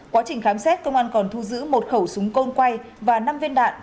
quá trình khám xét công an còn thu giữ một khẩu súng côn quay và năm viên đạn